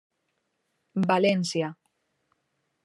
València: